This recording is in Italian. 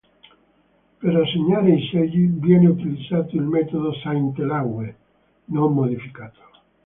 Per assegnare i seggi, viene utilizzato il metodo Sainte-Laguë non modificato.